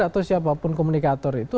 atau siapapun komunikator itu